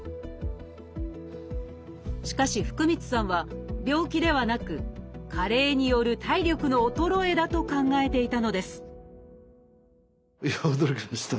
しかし福満さんは病気ではなく加齢による体力の衰えだと考えていたのです